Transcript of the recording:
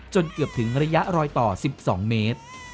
เกือบถึงระยะรอยต่อ๑๒เมตร